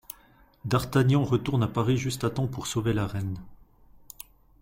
D'Artagnan retourne à Paris juste à temps pour sauver la reine.